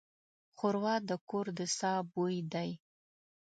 ښوروا د کور د ساه بوی دی.